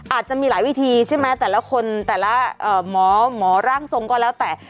อาจจะมีหลายวิธีใช่ไหมแต่ละคนแต่ละหมอหมอร่างทรงก็แล้วแต่